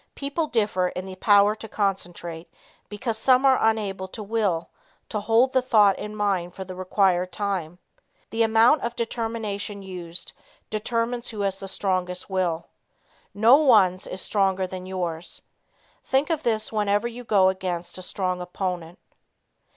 People differ in the power to concentrate because some are unable to Will to hold the thought in mind for the required time. The amount of determination used determines who has the strongest will. No one's is stronger than yours. Think of this whenever you go against a strong opponent.